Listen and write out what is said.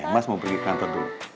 mas mau pergi kantor dulu